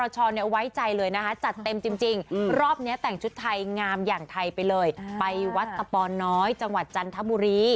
ชุดไทยงามอย่างไทยไปเลยไปวัฒน์จังหวัดจันทมุรี